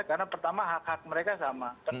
karena pertama hak hak mereka sama